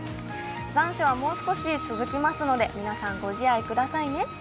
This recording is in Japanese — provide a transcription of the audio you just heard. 残暑はもう少し続きますので皆さん、ご自愛くださいね。